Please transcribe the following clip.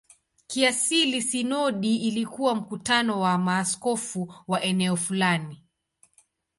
Kiasili sinodi ilikuwa mkutano wa maaskofu wa eneo fulani.